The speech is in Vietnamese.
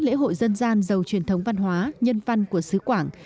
lễ hội dân gian giàu truyền thống văn hóa nhân văn của xứ quảng